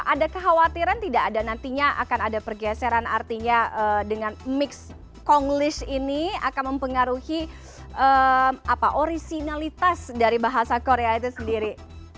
ada kekhawatiran tidak ada nantinya akan ada pergeseran artinya dengan mix konglish ini akan mempengaruhi orisinalitas dari bahasa korea itu sendiri